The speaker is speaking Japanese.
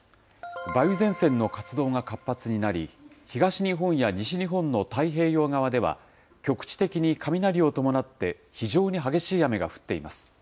梅雨前線の活動が活発になり、東日本や西日本の太平洋側では、局地的に雷を伴って非常に激しい雨が降っています。